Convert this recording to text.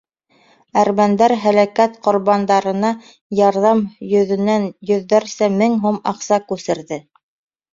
Әрмәндәр һәләкәт ҡорбандарына ярҙам йөҙөнән йөҙҙәрсә мең һум аҡса күсерҙе.